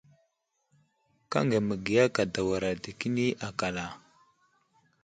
Kaŋga məgiya kadawra dəkeni akal a ?